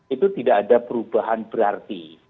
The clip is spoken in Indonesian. itu tidak ada perubahan berarti